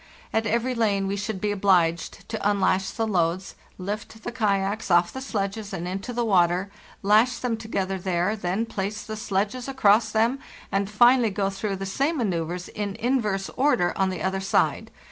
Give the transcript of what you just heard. At every lane we should be obliged to unlash the loads, lift the kayaks off the sledges and into the water, lash them together there, then place the sledges across them, and finally go through the same manceuvres in inverse order on the other side.